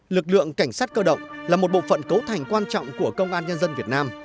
lực lượng cảnh sát cơ động là một bộ phận cấu thành quan trọng của công an nhân dân việt nam